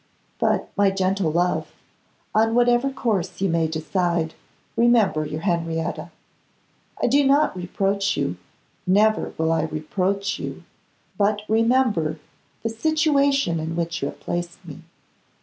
But, my gentle love, on whatever course you may decide, remember your Henrietta. I do not reproach you; never will I reproach you; but remember the situation in which you have placed me.